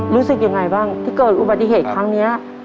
รู้สึกยังไงบ้างที่เกิดอุบัติเหตุครั้งนี้